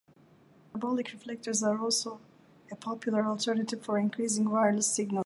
Parabolic reflectors are also a popular alternative for increasing wireless signal strength.